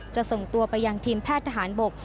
ส่งตัวไปยังทีมแพทย์ทหารบก